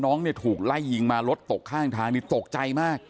เนี่ยถูกไล่ยิงมารถตกข้างทางนี่ตกใจมาก